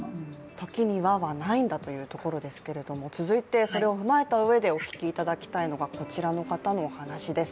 「時には」はないんだというところですけど、続けて、それを踏まえてお聞きいただきたいのはこちらの方のお話です。